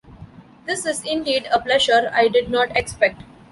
This is indeed a pleasure I did not expect.